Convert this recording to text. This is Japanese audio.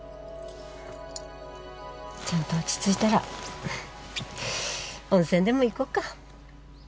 ちゃんと落ち着いたら温泉でも行こうか？